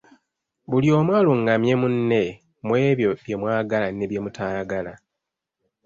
Buli omu alungamye munne mu ebyo bye mwagala ne byemutayagala.